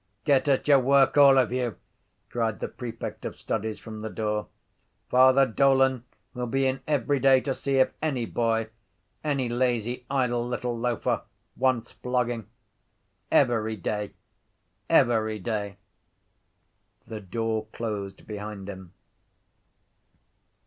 —Get at your work, all of you, cried the prefect of studies from the door. Father Dolan will be in every day to see if any boy, any lazy idle little loafer wants flogging. Every day. Every day. The door closed behind him.